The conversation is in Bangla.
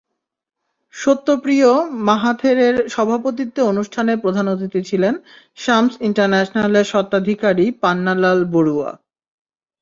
সত্যপ্রিয় মহাথেরের সভাপতিত্বে অনুষ্ঠানে প্রধান অতিথি ছিলেন শামস ইন্টারন্যাশনালের স্বত্বাধিকারী পান্না লাল বড়ুয়া।